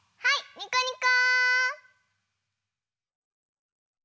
にこにこ！